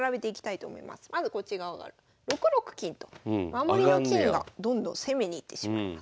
守りの金がどんどん攻めに行ってしまいます。